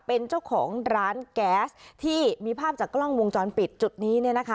เป็นเจ้าของร้านแก๊สที่มีภาพจากกล้องมุมจรปิดจุดนี้